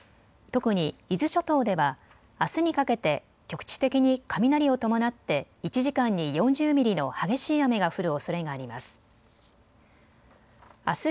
特に伊豆諸島では、あすにかけて局地的に雷を伴って１時間に４０ミリの激しい雨が降るおそれがあります。